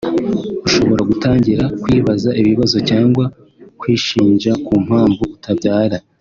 Ushobora gutangira kwibaza ibibazo cyangwa kwishinja ku mpamvu utabyara